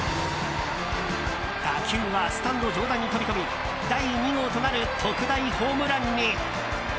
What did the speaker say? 打球はスタンド上段に飛び込み第２号となる特大ホームランに。